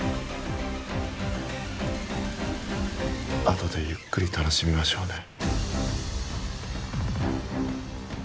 あとでゆっくり楽しみましょうね